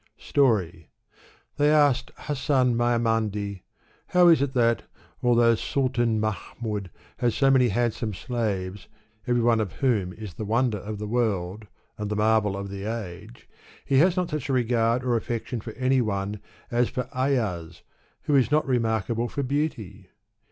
Story. They asked Hasan Maimandi, " How is it that, although Sultan Mahmud has so many handsome slaves, every one of whom is the wonder of the world, and the marvel of the age, he has not such a regard or affection for any one as for Ayaz, who is not remarkable for beauty?"